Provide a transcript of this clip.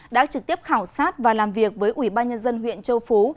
đã trực tiếp khảo sát và làm việc với ủy ban nhân dân huyện châu phú